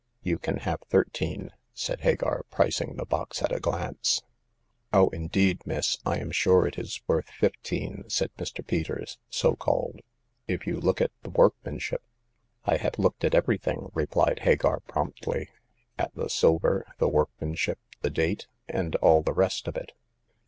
" You can have thirteen," said Hagar, pricing the box at a glance. Oh, indeed, miss, I am sure it is worth fif teen," said Mr. Peters (so called) :if you look at the workmanship ''I have looked at everything," replied Hagar, promptly —" at the silver, the workmanship, the date, and all the rest of it."